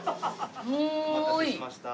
お待たせしました。